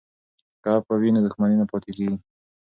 که عفوه وي نو دښمني نه پاتیږي.